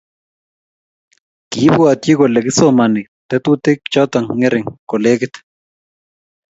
Kiibwatyi kole kisomani tetutik choto ngering kolegit